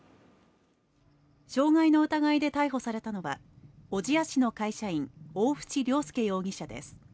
傷害の疑いで逮捕されたのは、小千谷市の会社員、大渕良輔容疑者です